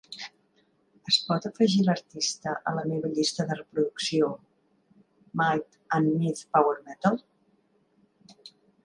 Es pot afegir l'artista a la meva llista de reproducció "Might and Myth Power Metal"?